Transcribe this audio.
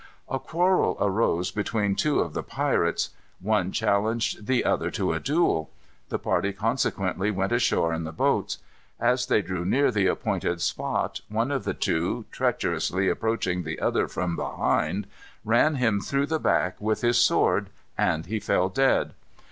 A quarrel arose between two of the pirates. One challenged the other to a duel. The party consequently went ashore in the boats. As they drew near the appointed spot, one of the two, treacherously approaching the other from behind, ran him through the back with his sword, and he fell dead.